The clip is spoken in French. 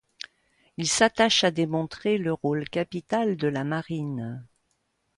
Il s'attache à démontrer le rôle capital de la marine.